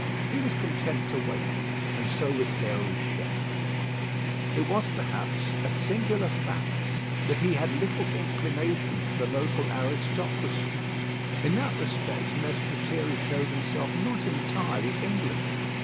He was content to wait, and so was Déruchette. It was, perhaps, a singular fact, that he had little inclination for the local aristocracy. In that respect Mess Lethierry showed himself not entirely English.